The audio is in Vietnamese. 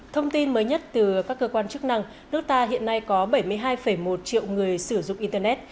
thông tin mới nhất từ các cơ quan chức năng nước ta hiện nay có bảy mươi hai một triệu người sử dụng internet